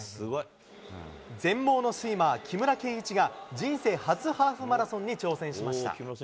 全盲のスイマー、木村敬一が、人生初ハーフマラソンに挑戦しました。